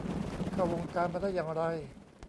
เข้าวงการมาได้อย่างไร